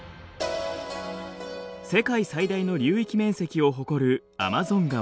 世界最大の流域面積を誇るアマゾン川。